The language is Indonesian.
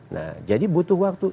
nah jadi butuh waktu